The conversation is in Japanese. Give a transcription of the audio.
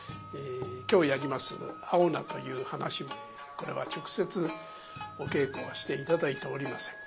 今日やります「青菜」という噺もこれは直接お稽古はして頂いておりません。